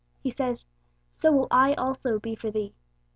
He says, 'So will I also be for thee!'